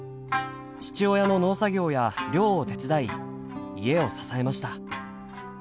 父親の農作業や漁を手伝い家を支えました。